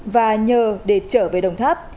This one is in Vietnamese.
và nhờ để trở về đồng tháp